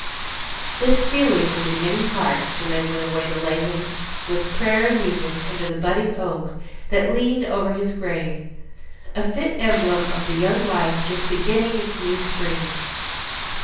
This feeling was in many hearts when they went away to lay him, with prayer and music, under the budding oak that leaned over his grave, a fit emblem of the young life just beginning its new spring.